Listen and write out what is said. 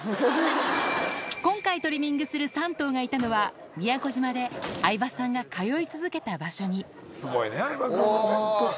今回トリミングする３頭がいたのは、宮古島で相葉さんが通い続けた場所に。